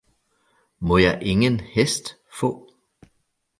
Må jeg ingen hest få